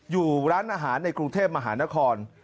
อยู่ร้านอาหารในกรุงเทพมหานคร